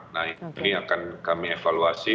nah ini akan kami evaluasi